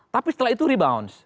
tapi setelah itu rebounce